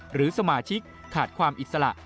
หรือสมาชิกขาดความอิสระ